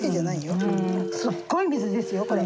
すっごい水ですよこれ。